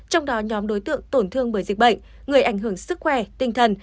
trong đó nhóm đối tượng tổn thương bởi dịch bệnh người ảnh hưởng sức khỏe tinh thần